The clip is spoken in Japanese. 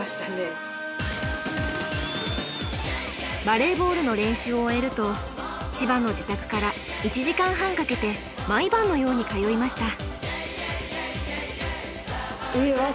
バレーボールの練習を終えると千葉の自宅から１時間半かけて毎晩のように通いました。